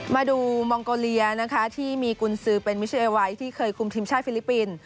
มาดูมองโกเลียนะคะที่มีกุญสือเป็นมิเชลไวทที่เคยคุมทีมชาติฟิลิปปินส์